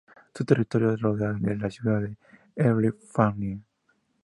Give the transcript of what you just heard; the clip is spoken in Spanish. Su territorio rodea el de la ciudad de L’Épiphanie.